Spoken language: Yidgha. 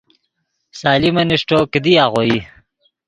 سلیمن اݰٹو، کیدی آغوئی